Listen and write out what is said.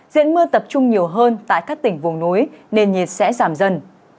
diễn mưa tập trung nhiều hơn tại các tỉnh vùng núi nên nhiệt sẽ giảm dần